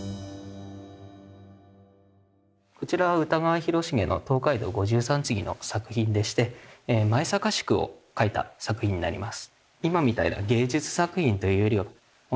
こちらは歌川広重の「東海道五十三次」の作品でして舞坂宿を描いた作品になります。